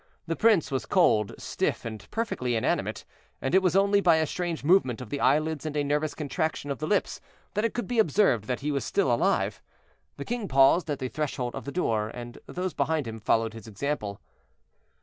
The prince was cold, stiff, and perfectly inanimate, and it was only by a strange movement of the eyelids and a nervous contraction of the lips that it could be observed he was still alive. The king paused at the threshold of the door, and those behind him followed his example.